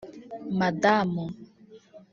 Madam